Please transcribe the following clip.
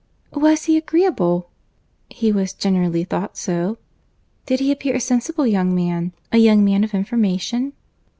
"Was he agreeable?"—"He was generally thought so." "Did he appear a sensible young man; a young man of information?"